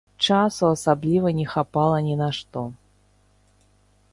Часу асабліва не хапала ні на што.